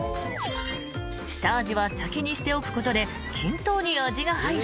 ［下味は先にしておくことで均等に味が入る］